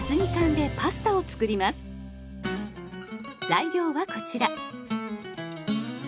材料はこちら。